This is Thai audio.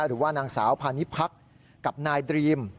หรือว่านางสาวพานิพักษ์กับนายดรีม